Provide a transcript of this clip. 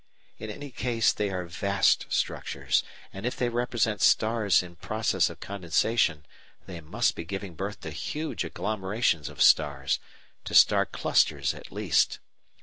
In any case they are vast structures, and if they represent stars in process of condensation, they must be giving birth to huge agglomerations of stars to star clusters at least.